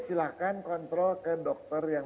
silahkan kontrol ke dokter yang